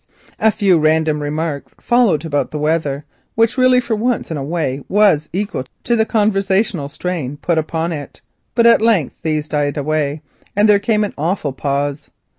A few random remarks followed about the weather, which really for once in a way was equal to the conversational strain put upon it. At length these died away and there came an awful pause.